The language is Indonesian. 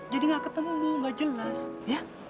jadi gak ketemu gak jelas ya